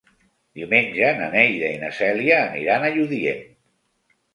Diumenge na Neida i na Cèlia aniran a Lludient.